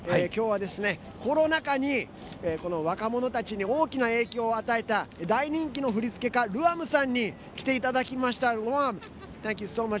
きょうはコロナ禍に若者たちに大きな影響を与えた大人気の振付家ルアムさんに来ていただきました。